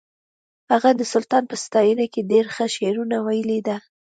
هغه د سلطان په ستاینه کې ډېر ښه شعرونه ویلي دي